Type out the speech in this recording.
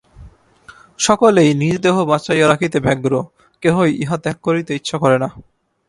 সকলেই নিজ দেহ বাঁচাইয়া রাখিতে ব্যগ্র, কেহই ইহা ত্যাগ করিতে ইচ্ছা করে না।